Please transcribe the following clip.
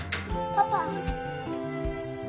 パパ。